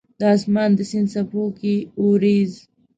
د اسمان د سیند څپو کې اوریځ